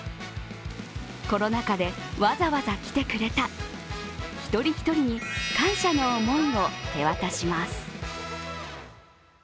コロナ禍でわざわざ来てくれた一人一人に感謝の思いを手渡します。